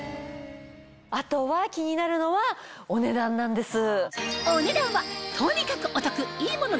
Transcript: あとは気になるのはお値段なんです。